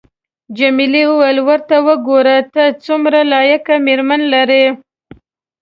جميلې وويل:: ورته وګوره، ته څومره لایقه مېرمن لرې.